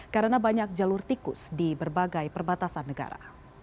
karena banyak jalur tikus di berbagai perbatasan negara